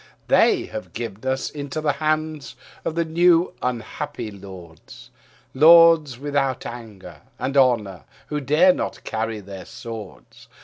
They have given us into the hand of new unhappy lords, Lords without anger and honour, who dare not carry their swords.